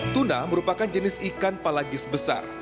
tuna merupakan jenis ikan palagis besar